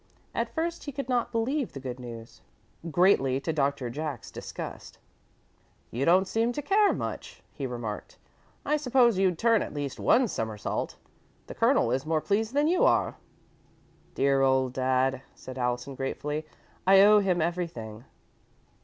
At first he could not believe the good news, greatly to Doctor Jack's disgust. "You don't seem to care much," he remarked. "I supposed you'd turn at least one somersault. The Colonel is more pleased than you are." "Dear old dad," said Allison, gratefully. "I owe him everything."